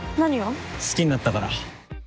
好きになったから。